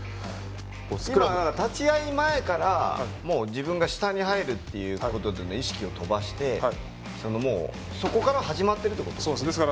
立ち合い前から自分が下に入るっていう意識を飛ばしてそこから始まってるということですか？